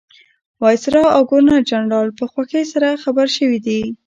وایسرا او ګورنرجنرال په خوښۍ سره خبر شوي دي.